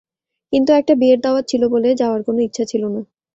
কিন্তু একটা বিয়ের দাওয়াত ছিল বলে যাওয়ার কোনো ইচ্ছা ছিল না।